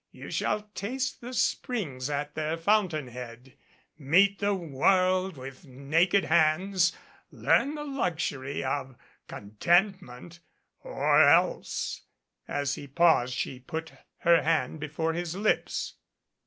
You shall taste the springs at their fountain head, meet the world with naked hands, learn the luxury of contentment; or else " as he paused she put her hand before his lips.